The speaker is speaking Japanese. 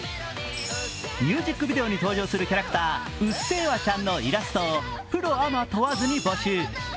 ミュージックビデオに登場するキャラクター、うっせぇわちゃんのイラストをプロアマ問わずに募集。